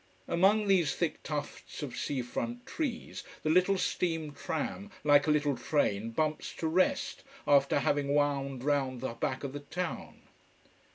Among these thick tufts of sea front trees the little steam tram, like a little train, bumps to rest, after having wound round the back of the town.